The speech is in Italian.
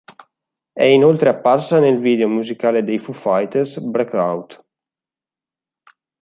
È inoltre apparsa nel video musicale dei Foo Fighters "Breakout".